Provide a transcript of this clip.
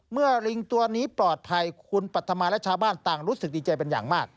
ลิงตัวนี้ปลอดภัยคุณปรัฐมาและชาวบ้านต่างรู้สึกดีใจเป็นอย่างมาก